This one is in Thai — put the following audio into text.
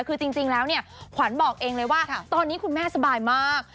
คือจริงแล้วเนี่ยขวัญบอกเองเลยว่าตอนนี้คุณแม่สบายมาก